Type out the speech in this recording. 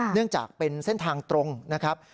เนื่องจากเป็นเส้นทางตรงนะครับ